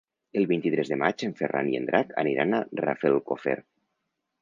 El vint-i-tres de maig en Ferran i en Drac aniran a Rafelcofer.